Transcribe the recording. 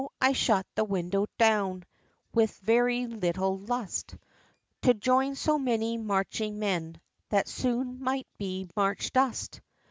I shut the window down, With very little lust To join so many marching men, That soon might be March dust.